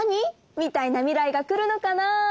みたいな未来が来るのかな。